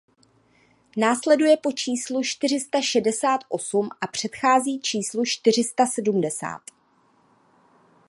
Následuje po číslu čtyři sta šedesát osm a předchází číslu čtyři sta sedmdesát.